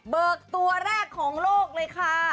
ตัวแรกของโลกเลยค่ะ